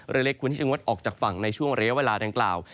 เล็กควรที่จะงดออกจากฝั่งในช่วงระยะเวลาดังกล่าว